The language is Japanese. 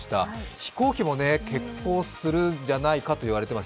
飛行機も欠航するんじゃないかといわれています。